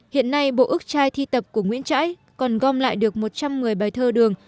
hiện nay bộ ước trai thi tập của nguyễn trãi còn gom lại được một trăm một mươi bài thơ đường